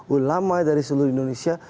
ulama dari seluruh indonesia